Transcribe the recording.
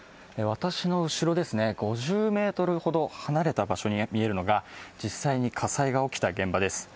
私の後ろ、５０ｍ程離れた場所に見えるのが実際に火災が起きた現場です。